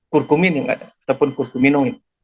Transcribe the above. kurkumin yang ada ataupun kurkuminoid